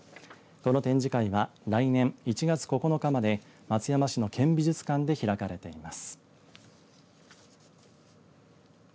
この展示会は来年１月９日まで松山市の県美術館で開かれています。